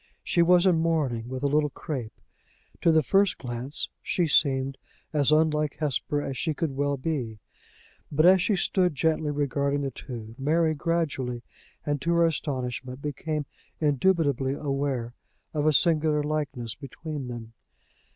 She was in mourning, with a little crape. To the first glance she seemed as unlike Hesper as she could well be; but, as she stood gently regarding the two, Mary, gradually, and to her astonishment, became indubitably aware of a singular likeness between them.